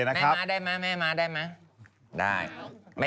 แม่ม้าได้ไหมแม่ม้าได้ไหมได้